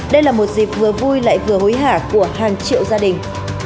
đây là một dịp vừa vui lại vừa hối hả của hàng triệu gia đình